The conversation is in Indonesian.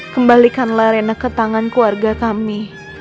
kembalikanlah rina ke tangan keluarga kami